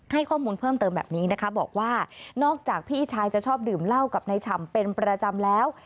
ให้ข้อมูลเพิ่มเติมแบบนี้นะคะบอกว่านอกจากพี่ชายจะชอบดื่มเหล้ากับนายฉ่ำเป็นประจำแล้ว